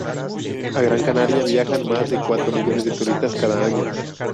A Gran Canaria viajan más de cuatro millones de turistas cada año.